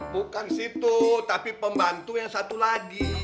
bukan situ tapi pembantu yang satu lagi